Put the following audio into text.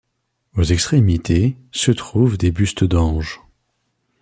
Aux extrémités se trouvent des bustes d'anges.